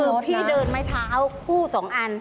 คือพี่เดินไม้เท้าคู่สองอัน